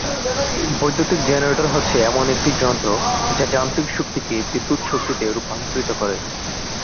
বৈদ্যুতিক জেনারেটর হচ্ছে এমন একটি যন্ত্র যা যান্ত্রিক শক্তিকে বিদ্যুৎ শক্তিতে রূপান্তরিত করে।